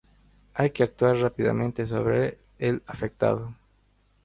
Hay que actuar rápidamente sobre el afectado.